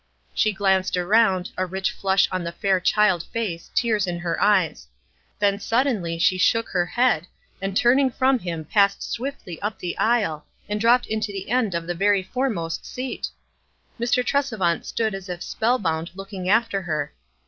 She glanced around, a rich flush on the fair child face, tears in her eyes ; then suddenly she shook her head, and turning from him passed swiftly up the aisle, and dropped into the end of the very foremost seat ! Mr. Tresevant stood as if spell bound looking after her.